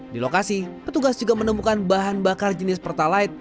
di lokasi petugas juga menemukan bahan bakar jenis pertalite